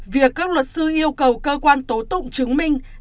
việc các luật sư yêu cầu cơ quan tố tụng chứng minh